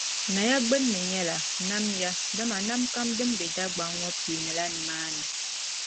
Naya gbinni nyɛla, “Nam ya” dama nam kam din be Dagbaŋ ŋɔ piinila nimaani.